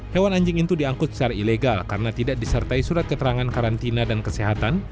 hewan anjing itu diangkut secara ilegal karena tidak disertai surat keterangan karantina dan kesehatan